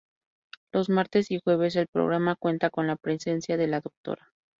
Los martes y jueves, el programa cuenta con la presencia de la Dra.